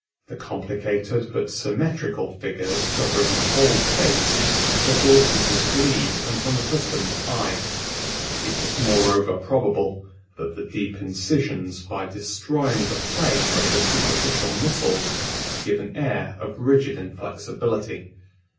The complicated but symmetrical figures covering the whole face, puzzle and mislead an unaccustomed eye: it is moreover probable, that the deep incisions, by destroying the play of the superficial muscles, give an air of rigid inflexibility.